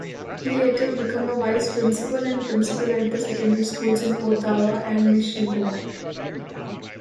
He later became a vice-principal and principal at secondary schools in Ottawa and Mississauga.